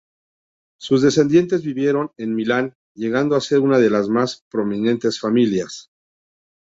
Sus descendientes vivieron en Milán, llegando a ser una de las más prominentes familias.